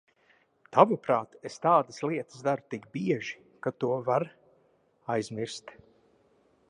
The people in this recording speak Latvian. Tavuprāt, es tādas lietas daru tik bieži, ka to var aizmirst?